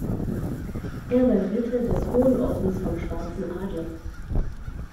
Er war Ritter des Hohen Ordens vom Schwarzen Adler.